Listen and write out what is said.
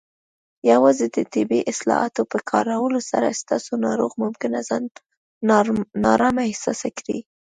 یوازې د طبي اصطلاحاتو په کارولو سره، ستاسو ناروغ ممکن ځان نارامه احساس کړي.